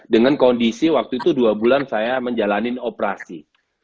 dengan kondisi waktu itu dua bulan saya menjalani operasi